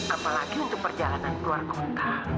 apalagi untuk perjalanan keluar angka